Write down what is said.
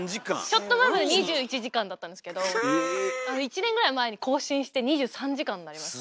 ちょっと前まで２１時間だったんですけど１年ぐらい前に更新して２３時間になりました。